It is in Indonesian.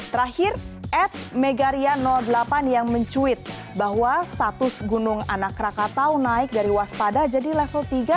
terakhir at megaria delapan yang mencuit bahwa status gunung anak rakatau naik dari waspada jadi level tiga